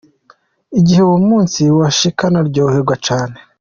"Igihe uwo munsi woshika noryohegwa cane.